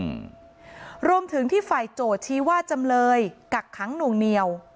อืมรวมถึงที่ฝ่ายโจทย์ชี้ว่าจำเลยกักขังหน่วงเหนียว